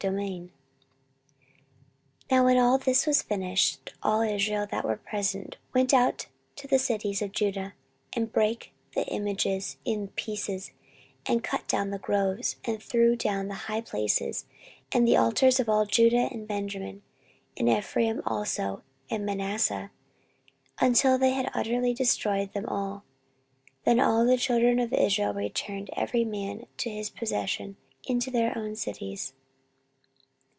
14:031:001 Now when all this was finished, all Israel that were present went out to the cities of Judah, and brake the images in pieces, and cut down the groves, and threw down the high places and the altars out of all Judah and Benjamin, in Ephraim also and Manasseh, until they had utterly destroyed them all. Then all the children of Israel returned, every man to his possession, into their own cities.